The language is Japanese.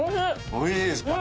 おいしいですか？